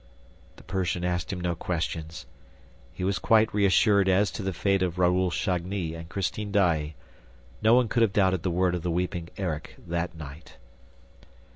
..." The Persian asked him no questions. He was quite reassured as to the fate of Raoul Chagny and Christine Daae; no one could have doubted the word of the weeping Erik that night.